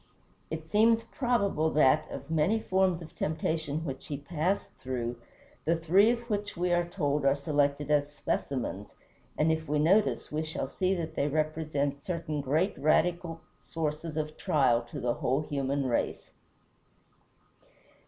It seems probable that, of many forms of temptation which he passed through, the three of which we are told are selected as specimens, and if we notice we shall see that they represent certain great radical sources of trial to the whole human race.